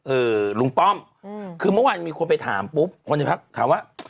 เอ่อลุงป้อมคือเมื่อวานมีคนไปถามปุ๊บคนที่พักถามว่า